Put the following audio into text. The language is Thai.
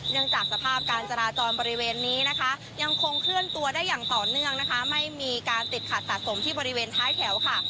จากสภาพการจราจรบริเวณนี้นะคะยังคงเคลื่อนตัวได้อย่างต่อเนื่องนะคะไม่มีการติดขัดสะสมที่บริเวณท้ายแถวค่ะ